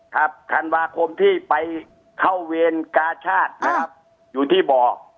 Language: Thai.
ครับธันวาคมที่ไปเข้าเวรกาชาตินะครับอยู่ที่บ่อ